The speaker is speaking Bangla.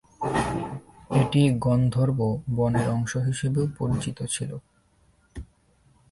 এটি গন্ধর্ব বনের অংশ হিসাবেও পরিচিত ছিল।